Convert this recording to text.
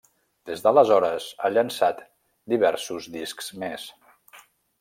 Des d'aleshores ha llançat diversos discs més.